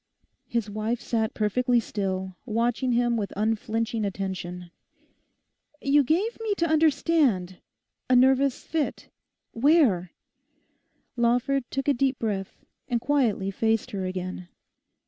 His wife sat perfectly still, watching him with unflinching attention. 'You gave me to understand—"a nervous fit"; where?' Lawford took a deep breath, and quietly faced her again.